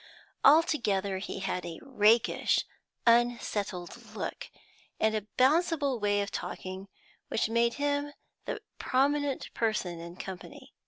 Altogether he had a rakish, unsettled look, and a bounceable way of talking which made him the prominent person in company.